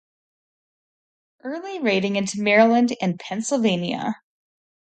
Early, raiding into Maryland and Pennsylvania.